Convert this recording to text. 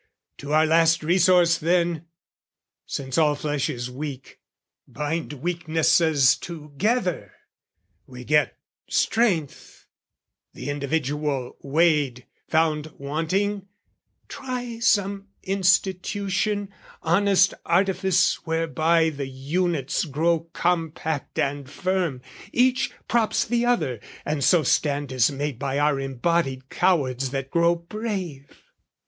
To our last resource, then! Since all flesh is weak, Bind weaknesses together, we get strength: The individual weighed, found wanting, try Some institution, honest artifice Whereby the units grow compact and firm: Each props the other, and so stand is made By our embodied cowards that grow brave.